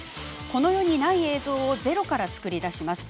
この世にない映像をゼロから作り出します。